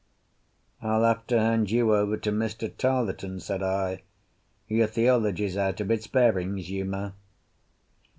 "I'll have to hand you over to Mr. Tarleton," said I. "Your theology's out of its bearings, Uma."